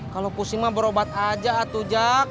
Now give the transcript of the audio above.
kalau pusing mah berobat aja atu jack